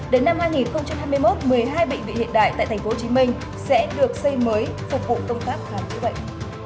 đến năm hai nghìn hai mươi một một mươi hai bệnh viện hiện đại tại tp hcm sẽ được xây mới phục vụ công tác khám chữa bệnh